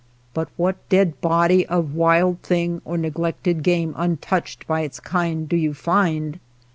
But what dead body of wild thing, or neglected game untouched by its kind, do you find